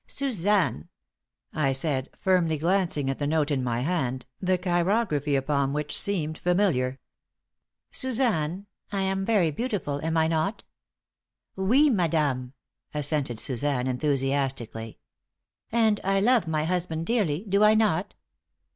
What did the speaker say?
"Suzanne," I said, firmly, glancing at the note in my hand, the chirography upon which seemed to be familiar, "Suzanne, I am very beautiful, am I not?" "Oui, madame," assented Suzanne, enthusiastically. "And I love my husband dearly, do I not?"